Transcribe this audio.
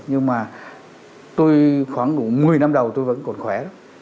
nhưng mà tôi khoảng đủ một mươi năm đầu tôi vẫn còn khỏe